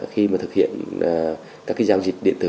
khi thực hiện các giao dịch điện tử